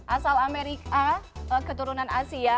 asal amerika keturunan asia